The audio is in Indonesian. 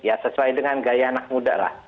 ya sesuai dengan gaya anak muda lah